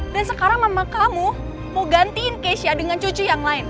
dan sekarang mama kamu mau gantiin keisha dengan cucu yang lain